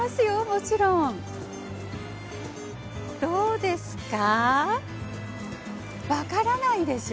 どうですか？